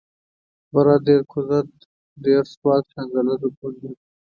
بره دير کوزه دير سوات شانګله بونير